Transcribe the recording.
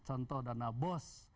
contoh dana bos